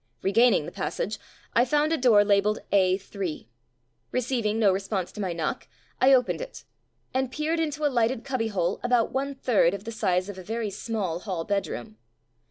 Regaining the passage, I found a door labeled A 8. Receiving no re sponse to my knock, I opened it; and peered into a lighted cubbyhole about one third the size of a veiy small hall bedroom.